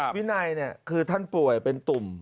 วินัยคือท่านป่วยเป็นตุ่ม